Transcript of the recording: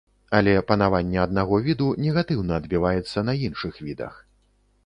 Але панаванне аднаго віду негатыўна адбіваецца на іншых відах.